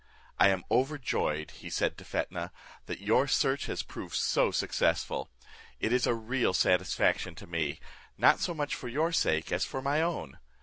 "I am overjoyed," said he to Fetnah, "that your search has proved so successful; it is a real satisfaction to me, not so much for your sake as for my own.